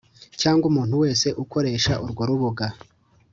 cyangwa umuntu wese ukoresha urwo rubuga